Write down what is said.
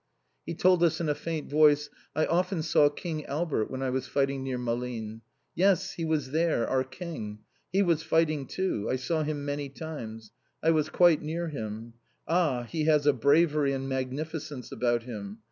He told us in a faint voice: "I often saw King Albert when I was fighting near Malines. Yes, he was there, our King! He was fighting too, I saw him many times, I was quite near him. Ah, he has a bravery and magnificence about him!